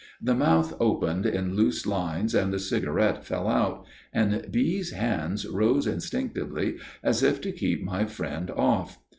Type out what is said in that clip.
The mouth opened in loose lines and the cigarette fell out, and B.'s hands rose instinctively as if to keep my friend off.